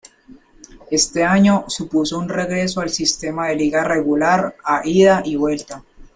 Este año supuso un regreso al sistema de liga regular a ida y vuelta.